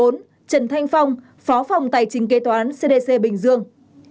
bốn trần thanh phong phó phòng tài chính kế toán cdc bình dương